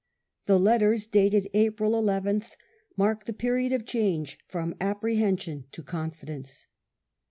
The letters, dated April 11th, mark the period of change from apprehension to confidence.